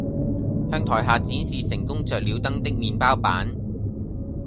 向台下展示成功着了燈的麵包板